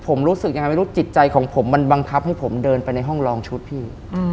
ผมรู้สึกยังไงไม่รู้จิตใจของผมมันบังคับให้ผมเดินไปในห้องลองชุดพี่